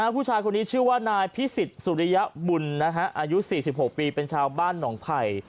ผู้ชายคนนี้ชื่อว่านายพิสิทธิสุริยบุญอายุ๔๖ปีเป็นชาวบ้านหนองไผ่